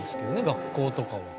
学校とかは」